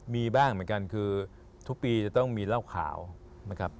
มีบ้างเหมือนกันคือทุกปีจะต้องมีเหล้าขาวนะครับ